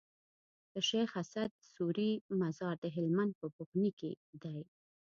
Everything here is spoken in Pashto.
د شيخ اسعد سوري مزار د هلمند په بغنی کي دی